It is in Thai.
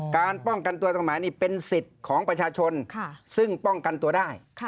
การป้องกันตัวตรงไหนนี่เป็นสิทธิ์ของประชาชนซึ่งป้องกันตัวได้